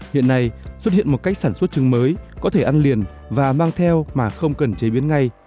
hiện nay xuất hiện một cách sản xuất trứng mới có thể ăn liền và mang theo mà không cần chế biến ngay